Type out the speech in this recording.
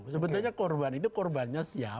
sebetulnya korban itu korbannya siapa